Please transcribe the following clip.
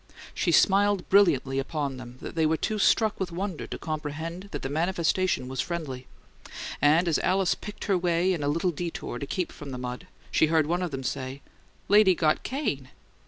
She smiled brilliantly upon them, but they were too struck with wonder to comprehend that the manifestation was friendly; and as Alice picked her way in a little detour to keep from the mud, she heard one of them say, "Lady got cane!